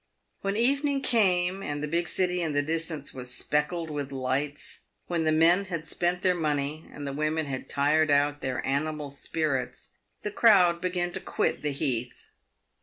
When evening came, and the big city in the distance was speckled with lights — when the men had spent their money, and the women had tired out their animal spirits — the crowd began to quit the heath.